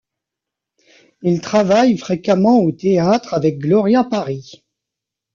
Il travaille fréquemment au théâtre avec Gloria Paris.